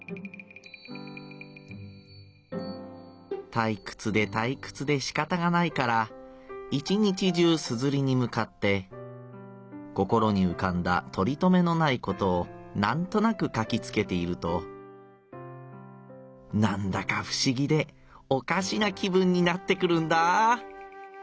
「たいくつでたいくつでしかたがないから一日じゅう硯にむかって心にうかんだとりとめのないことをなんとなく書きつけているとなんだかふ思ぎでおかしな気分になってくるんだ」。